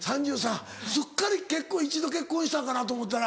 すっかり結婚一度結婚したかなと思ったら。